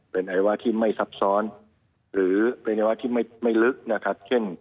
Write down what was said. เป็นอัยวะที่ไม่ซับซ้อนหรือเป็นอัยวะที่ไม่ไม่ลึกนะครับ